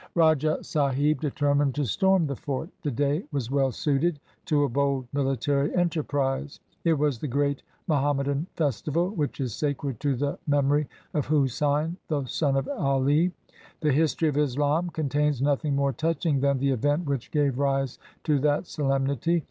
Rajah Sahib determined to storm the fort. The day was well suited to a bold military enterprise. It was the great Mahommedan festival which is sacred to the mem ory of Hosein the son of Ali. The history of Islam con tains nothing more touching than the event which gave rise to that solemnity.